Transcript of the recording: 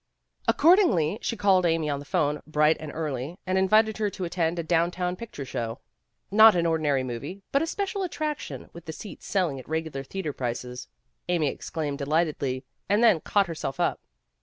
Accordingly she called Amy on the phone bright and early, and invited her to attend a down town picture show ; not an ordinary movie, but a special attraction with the seats selling at regular theater prices. Amy exclaimed delightedly, and then caught herself up.